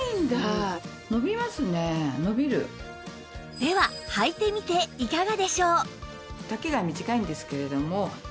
でははいてみていかがでしょう？